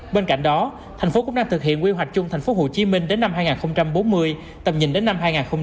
bên cạnh đó tp hcm thực hiện quy hoạch chung tp hcm đến năm hai nghìn bốn mươi tầm nhìn đến năm hai nghìn sáu mươi